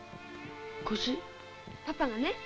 パパがね